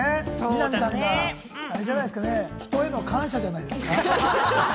みな実さんが人への感謝じゃないですか？